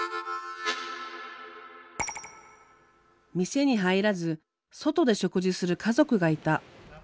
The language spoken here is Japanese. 店に入らず外で食事する家族がいた。